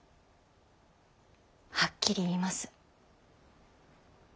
はっきり言います。